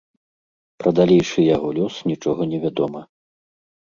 Пра далейшы яго лёс нічога невядома.